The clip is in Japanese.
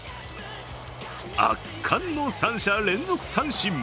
圧巻の３者連続三振。